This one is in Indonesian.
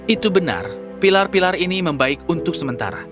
itu benar pilar pilar ini membaik untuk sementara